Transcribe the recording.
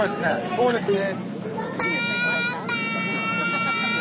そうですね。